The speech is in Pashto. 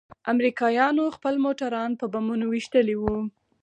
امريکايانو خپل موټران په بمونو ويشتلي وو.